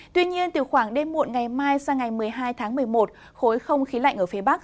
tuy nhiên từ khoảng đêm muộn ngày mai sang ngày một mươi hai tháng một mươi một khối không khí lạnh ở phía bắc